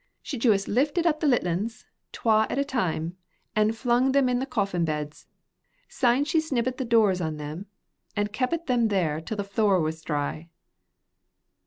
"She juist lifted up the litlins, twa at a time, an' flung them into the coffin beds. Syne she snibbit the doors on them, an' keepit them there till the floor was dry."